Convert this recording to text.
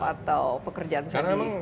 atau pekerjaan saya karena memang